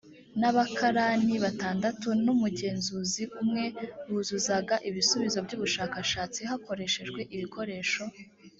n abakarani batandatu n umugenzuzi umwe buzuzaga ibisubizo by ubushakashatsi hakoreshejwe ibikoresho